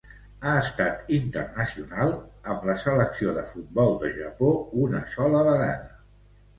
Ha estat internacional amb la selecció de futbol de Japó una sola vegada.